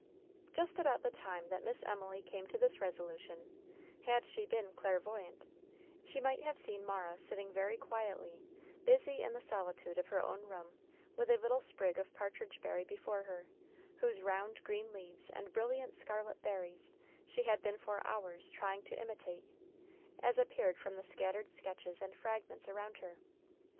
Just about the time that Miss Emily came to this resolution, had she been clairvoyant, she might have seen Mara sitting very quietly, busy in the solitude of her own room with a little sprig of partridge berry before her, whose round green leaves and brilliant scarlet berries she had been for hours trying to imitate, as appeared from the scattered sketches and fragments around her.